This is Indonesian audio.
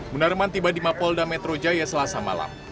munarman tiba di mapolda metro jaya selasa malam